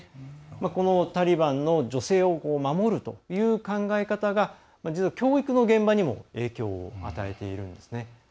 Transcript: このタリバンの女性を守るという考え方が実は教育の現場にも影響を与えているんですね。